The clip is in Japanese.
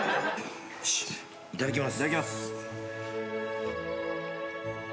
いただきます。